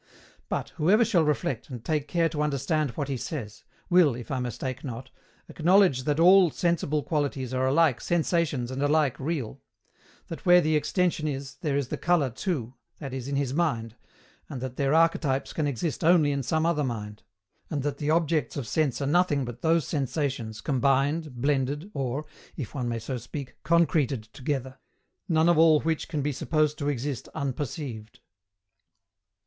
But, whoever shall reflect, and take care to understand what he says, will, if I mistake not, acknowledge that all sensible qualities are alike sensations and alike real; that where the extension is, there is the colour, too, i.e., in his mind, and that their archetypes can exist only in some other mind; and that the objects of sense are nothing but those sensations combined, blended, or (if one may so speak) concreted together; none of all which can be supposed to exist unperceived.